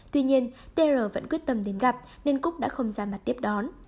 tuy nhiên tr vẫn quyết tâm đến gặp nên cúc đã không ra mặt tiếp đón